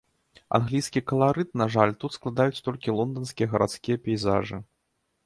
Англійскі каларыт, на жаль, тут складаюць толькі лонданскія гарадскія пейзажы.